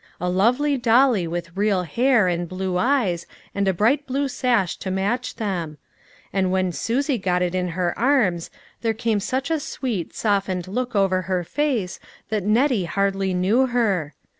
A lovely dolly with real hair, and blue eyes, and a bright blue sash to match them ; and when Susie got it in her arms, there came such a sweet, softened look over her face that Nettie hardly knew her.